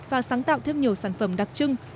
và sáng tạo thêm nhiều sản phẩm đặc trưng